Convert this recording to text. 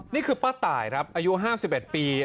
นี่คือป้าตายครับอายุห้าสิบแปดปี